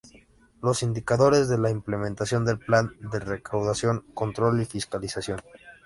Los indicadores de la implementación del Plan de Recaudación, Control y Fiscalización.